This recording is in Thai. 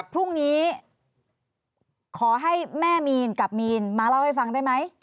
พรุ่งนี้ขอให้แม่มีนกับมีนมาเล่าให้ฟังได้ไหม